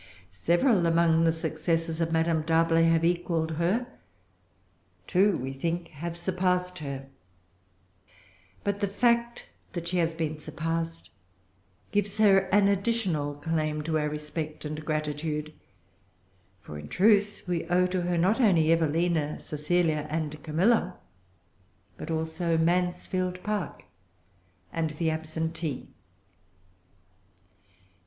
Several among the successors of Madame D'Arblay have equalled her; two, we think, have surpassed her. But the fact that she has been surpassed gives her an additional claim to our respect and gratitude; for, in truth, we owe to her not only Evelina, Cecilia, and Camilla, but also Mansfield Park and The Absentee.